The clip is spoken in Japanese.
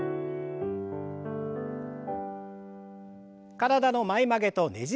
体の前曲げとねじる運動。